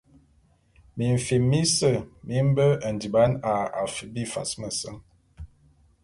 Mimfin mise mi mbe ndiban a afip bifas meseñ.